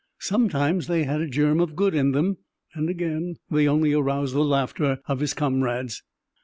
Sometimes they had a germ of good in them, and again they only aroused the laughter of his comrades.